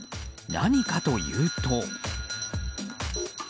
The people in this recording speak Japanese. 何かというと。